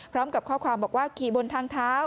พร้อมกับข้อความบอกว่าขี่บนทางเท้า